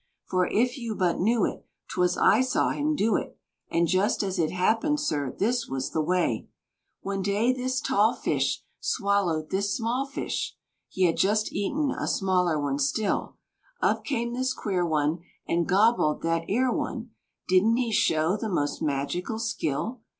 For if you but knew it, 'Twas I saw him do it, And just as it happened, sir, this was the way: One day this tall fish Swallowed this small fish (He had just eaten a smaller one still); Up came this queer one And gobbled that 'ere one Didn't he show the most magical skill?